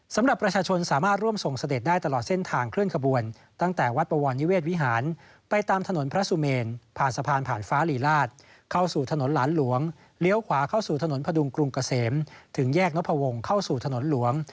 สำหรับประชาชนสามารถร่วมส่งเสด็จได้ตลอดเส้นทางเคลื่อนขบวน